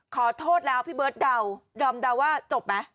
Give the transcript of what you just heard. ขอโทษแล้วพี่เบิร์ตเดาดอมเดาว่าจบไหม